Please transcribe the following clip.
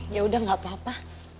yaudah gak apa apa